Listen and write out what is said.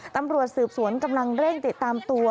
ตำรวจสืบสวนกำลังเร่งติดตามตัว